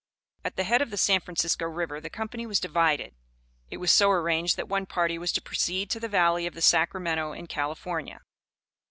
At the head of the San Francisco River the company was divided. It was so arranged, that one party was to proceed to the valley of the Sacramento in California.